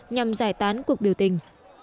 nhằm giải tán cuộc biểu tình